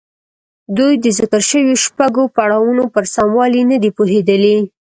دوی د ذکر شويو شپږو پړاوونو پر سموالي نه دي پوهېدلي.